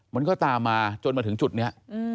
มันก็ตามมาจนมาถึงจุดนี้